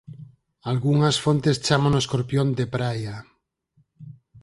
Algunhas fontes chámano escorpión de praia.